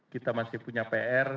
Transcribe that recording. kita masih punya pr